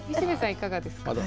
いかがですか？